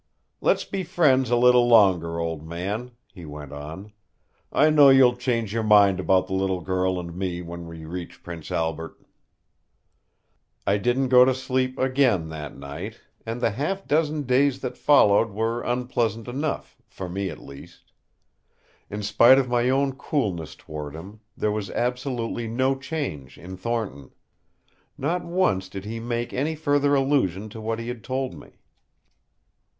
"Let's be friends a little longer, old man," he went on. "I know you'll change your mind about the little girl and me when we reach Prince Albert." I didn't go to sleep again that night; and the half dozen days that followed were unpleasant enough for me, at least. In spite of my own coolness toward him, there was absolutely no change in Thornton. Not once did he make any further allusion to what he had told me.